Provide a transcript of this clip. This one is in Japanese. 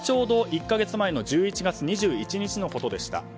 ちょうど１か月前の１１月２１日のことでした。